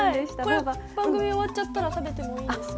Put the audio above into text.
これ番組終わっちゃったら食べてもいいんですか？